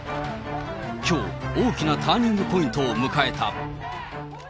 きょう、大きなターニングポイントを迎えた。